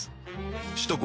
首都高